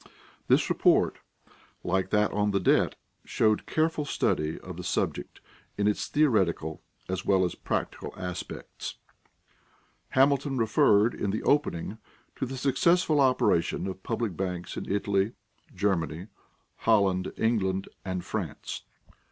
This report, like that on the debt, showed careful study of the subject in its theoretical as well as practical aspects. Hamilton referred in opening to the successful operation of public banks in Italy, Germany, Holland, England, and France.